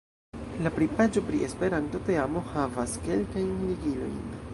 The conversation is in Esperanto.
La pri-paĝo pri la Esperanto-teamo havas kelkajn ligilojn.